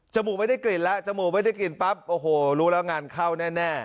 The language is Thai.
มูกไม่ได้กลิ่นแล้วจมูกไม่ได้กลิ่นปั๊บโอ้โหรู้แล้วงานเข้าแน่